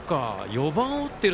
４番を打っている